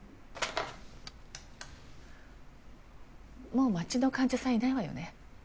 もう待ちの患者さんいないわよね？